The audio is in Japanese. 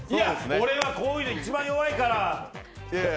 俺はこういうの一番弱いから。